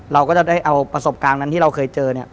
เราก็จะได้เอาประสบการณ์นั้นที่เราเคยเจอเนี่ย